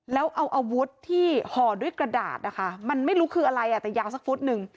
แล้วเอาอาวุธที่ห่อด้วยกระดาษนะคะมันไม่รู้คืออะไรอ่ะแต่ยาวสักฟุตหนึ่ง